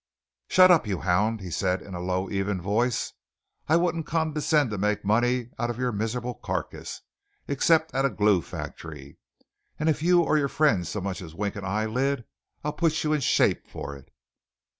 "Shut up, you hound!" he said in a low, even voice. "I wouldn't condescend to make money out of your miserable carcass, except at a glue factory. And if you or your friends so much as wink an eyelid, I'll put you in shape for it."